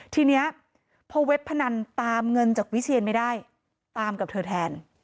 ทีนี้พอเว็บพนันตามเงินจากวิเชียนไม่ได้ตามกับเธอแทน